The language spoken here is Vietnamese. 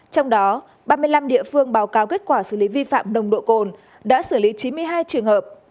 trong đó ba mươi năm địa phương báo cáo kết quả xử lý vi phạm nồng độ cồn đã xử lý chín mươi hai trường hợp